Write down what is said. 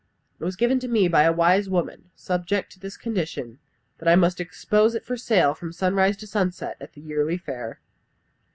It was given to me by a wise woman, subject to this condition, that I must expose it for sale from sunrise to sunset at the yearly fair.